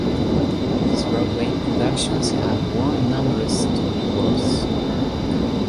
His Broadway productions have won numerous Tony Awards.